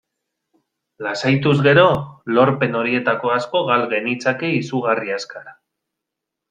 Lasaituz gero, lorpen horietako asko gal genitzake izugarri azkar.